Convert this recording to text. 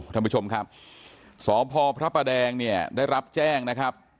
ท่านผู้ชมครับสพพระประแดงเนี่ยได้รับแจ้งนะครับ